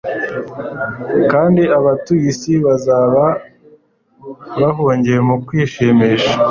kandi abatuye isi bazaba bahugiye mu kwishimisha